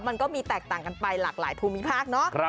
มันก็มีแตกต่างกันไปหลากหลายภูมิภาคเนอะ